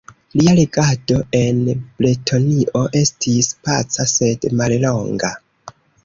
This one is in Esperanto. Lia regado en Bretonio estis paca sed mallonga.